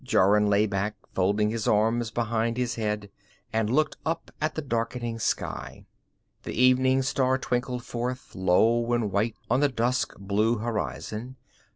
Jorun lay back, folding his arms behind his head, and looked up at the darkening sky. The evening star twinkled forth, low and white on the dusk blue horizon.